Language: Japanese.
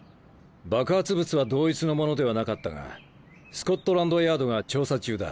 爆発物は同一のものではなかったがスコットランドヤードが調査中だ。